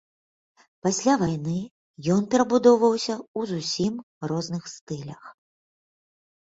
Пасля вайны ён перабудоўваўся ў зусім розных стылях.